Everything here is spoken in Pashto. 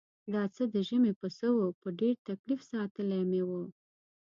دا څه د ژمي پسه و په ډېر تکلیف ساتلی مې و.